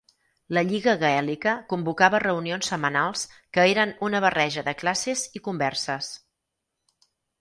La Lliga Gaèlica convocava reunions setmanals que eren una barreja de classes i converses.